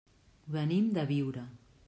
Venim de Biure.